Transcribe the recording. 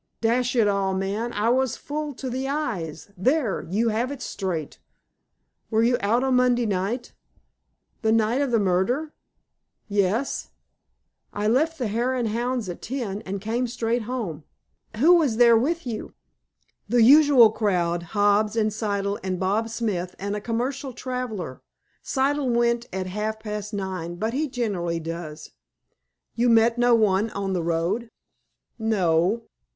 "Dash it all, man, I was full to the eyes. There! You have it straight." "Were you out on Monday night?" "The night of the murder?" "Yes." "I left the Hare and Hounds at ten, and came straight home." "Who was there with you?" "The usual crowd—Hobbs, and Siddle, and Bob Smith, and a commercial traveler. Siddle went at half past nine, but he generally does." "You met no one on the road?" "No."